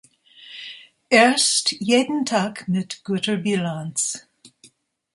Erst „Jeden Tag mit guter Bilanz“.